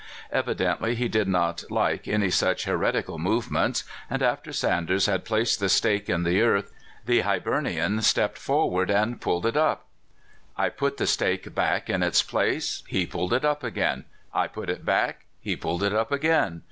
Evident ly he did not like any such heretical movements, and, after Sanders had placed the stake in the earth, the Hibernian stepped forward and pulled it up. SANDERS. 233 "I put the stake back in its place. He pulled it up again. I put it back. He pulled it up again.